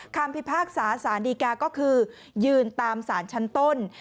คำพิพากษาศาลดีกาก็คือยืนตามศาลชันต้น